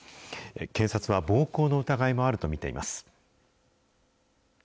警察は、暴行の疑いもあると見ています。